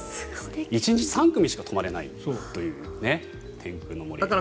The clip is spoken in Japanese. １日３組しか泊まれないという天空の森ですが。